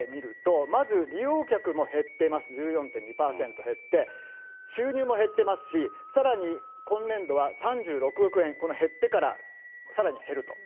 これが前とコロナ後で見ると、まず利用客も減っています、１４．２％減って、収入も減ってますし、さらに今年度は３６億円減ってからさらに減ると。